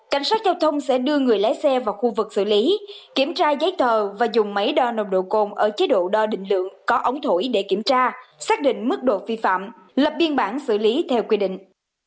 cảnh sát giao thông sẽ đưa người lái xe vào khu vực xử lý kiểm tra giấy tờ và dùng máy đo nồng độ côn ở chế độ đo định lượng có ống thổi để kiểm tra xác định mức độ vi phạm lập biên bản xử lý theo quy định